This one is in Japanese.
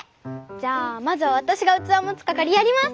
じゃあまずはわたしがうつわもつかかりやります！